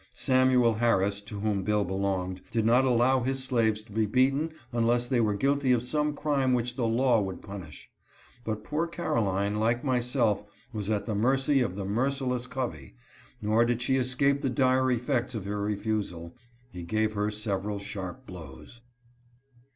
Samuel Harris, to whom Bill belonged, did not allow his slaves to be beaten unless they were Vy guilty of some crime which the law would punish. But ^/> poor Caroline, like myself, was at the mercy of the merci >N less Covey, nor did she escape the dire effects of her \? refusal : he gave her several sharp blows.